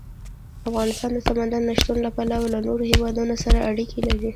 افغانستان د سمندر نه شتون له پلوه له نورو هېوادونو سره اړیکې لري.